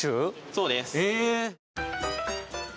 そうです。